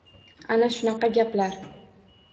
Ana shunaqa gaplar.